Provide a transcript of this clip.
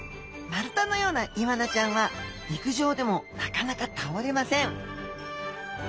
丸太のようなイワナちゃんは陸上でもなかなか倒れません！